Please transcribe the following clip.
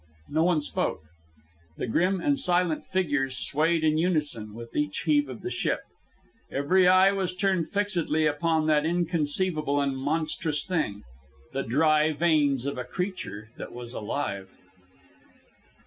No one spoke. The grim and silent figures swayed in unison with each heave of the ship. Every eye was turned fixedly upon that inconceivable and monstrous thing, the dry veins of a creature that was alive.